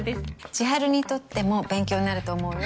千晴にとっても勉強になると思うよ。